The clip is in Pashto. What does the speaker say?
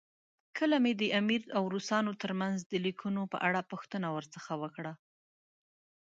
کله مې د امیر او روسانو ترمنځ د لیکونو په اړه پوښتنه ورڅخه وکړه.